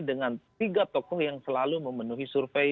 dengan tiga tokoh yang selalu memenuhi survei